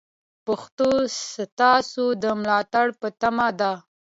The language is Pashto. پښتو ستاسو د ملاتړ په تمه ده.